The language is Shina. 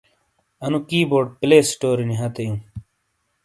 انُو کی بورڈ پلے سٹورینی ہتے اِیوں۔